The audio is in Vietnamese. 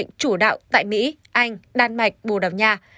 là một bệnh chủ đạo tại mỹ anh đan mạch bồ đào nha